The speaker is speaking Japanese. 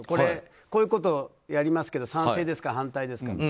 こういうことをやりますけど賛成ですか反対ですかって。